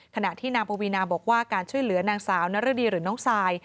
ขณะที่นางปวีนาบอกว่าการช่วยเหลือนางสาวนรดีหรือน้องซาย